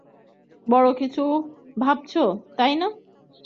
বড় কিছু ভাবছো, তাই না?